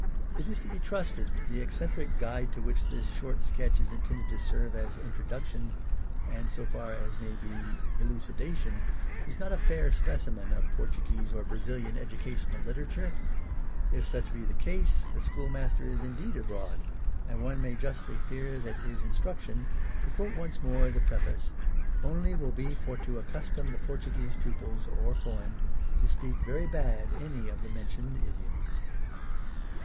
It is to be trusted the eccentric " Guide" to which this short sketch is intended to serve as Introduction. xv. Introduction— and, so far as may be, elucida tion — is not a fair specimen of Portuguese or Brazilian educational literature ; if such be the case the schoolmaster is indeed " abroad," and one may justly fear that his instruction — to quote once more the Preface —" only will be for to accustom the Portuguese pupils, or for eign, to speak very bad any of the mentioned idioms."